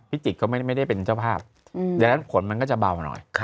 จิตก็ไม่ได้เป็นเจ้าภาพดังนั้นผลมันก็จะเบาหน่อย